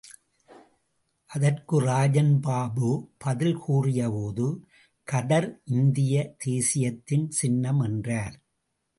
அதற்குராஜன் பாபு பதில் கூறியபோது, கதர் இந்திய தேசியத்தின் சின்னம் என்றார்.